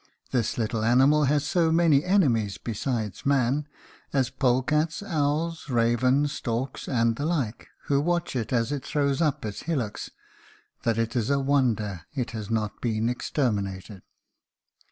This little animal has so many enemies besides man, as polecats, owls, ravens, storks, and the like, who watch it as it throws up its hillocks, that it is a wonder it has not been exterminated.